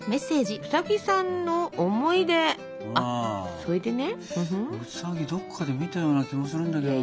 ウサギどっかで見たような気もするんだけどな。